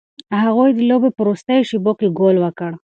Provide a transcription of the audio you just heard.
هغوی د لوبې په وروستیو شیبو کې ګول وکړ.